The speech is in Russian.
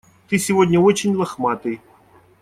Ты сегодня очень лохматый.